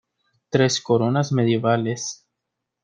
Tres coronas medievales".